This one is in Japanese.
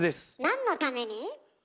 何のために？